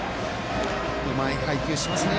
うまい配球しますね。